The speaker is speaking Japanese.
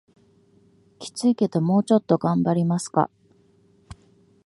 キツいけどもうちょっと頑張りますか